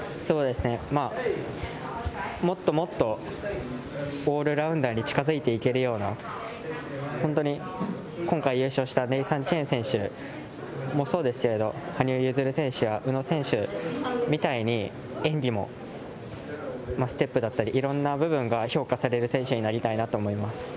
そうですね、まあ、もっともっとオールラウンダーに近づいていけるような、本当に今回、優勝したネイサン・チェン選手もそうですけれど、羽生結弦選手や宇野選手みたいに、演技も、ステップだったり、いろんな部分が評価される選手になりたいなと思います。